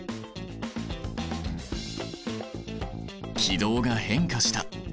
軌道が変化した。